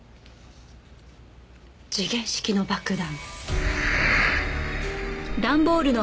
時限式の爆弾。